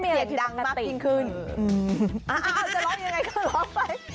เอาจะร้องยังไงก็ร้องไป